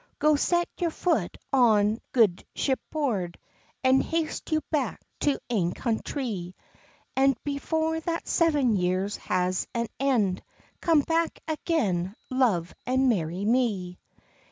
"Go set your foot on good ship board, An haste you back to your ain country, An before that seven years has an end, Come back again, love, and marry me."